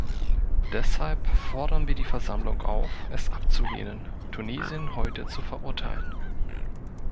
Deshalb fordern wir die Versammlung auf, es abzulehnen, Tunesien heute zu verurteilen.